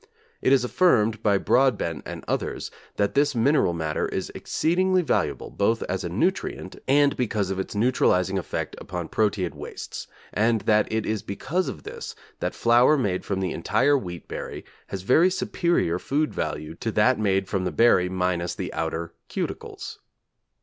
It is affirmed by Broadbent and others, that this mineral matter is exceedingly valuable both as a nutrient, and because of its neutralising effect upon proteid wastes, and that it is because of this that flour made from the entire wheat berry has very superior food value to that made from the berry minus the outer cuticles.